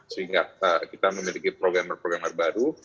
sehingga kita memiliki programmer baru